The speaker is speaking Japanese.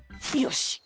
よし。